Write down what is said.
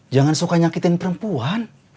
jangan suka nyakitin perempuan